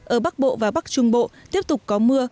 ở bắc bộ và bắc trung bộ tiếp tục có mưa